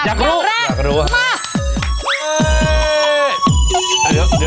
อยากรู้อยากรู้มาเฮ้ยเดี๋ยวเดี๋ยวหน้าคุณคุณไหม